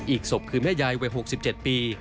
อีกศพคือแม่ยายวัย๖๗ปี